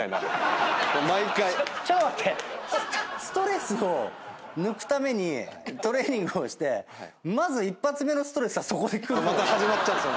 ストレスを抜くためにトレーニングをしてまず１発目のストレスはそこでくるのね